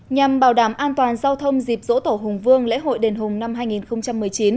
nhằm bảo đảm an toàn giao thông dịp dỗ tổ hùng vương lễ hội đền hùng năm hai nghìn một mươi chín